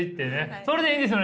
それでいいんですよね？